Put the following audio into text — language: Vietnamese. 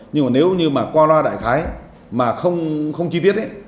nhưng mà nếu như mà qua loa đại thái mà không chi tiết ấy